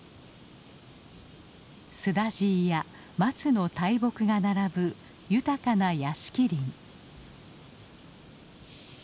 スダジイや松の大木が並ぶ豊かな屋敷林。